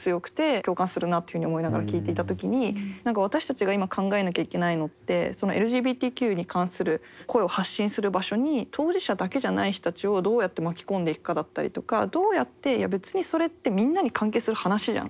共感するなっていうふうに思いながら聞いていた時に何か私たちが今考えなきゃいけないのってＬＧＢＴＱに関する声を発信する場所に当事者だけじゃない人たちをどうやって巻き込んでいくかだったりとかどうやっていや別にそれってみんなに関係する話じゃん